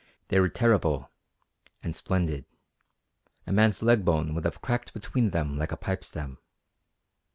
They were terrible and splendid. A man's leg bone would have cracked between them like a pipe stem.